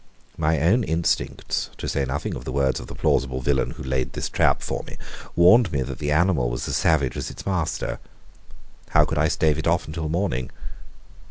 My own instincts, to say nothing of the words of the plausible villain who laid this trap for me, warned me that the animal was as savage as its master. How could I stave it off until morning?